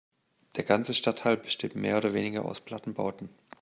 Der ganze Stadtteil besteht mehr oder weniger aus Plattenbauten.